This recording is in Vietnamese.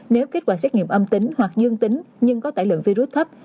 nếu kết quả xét nghiệm âm tính hoặc dương tính nhưng có tải lượng virus thấp